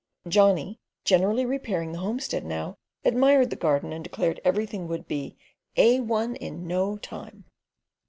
Johnny, generally repairing the homestead now, admired the garden and declared everything would be "A1 in no time."